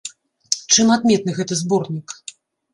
Чым адметны гэты зборнік?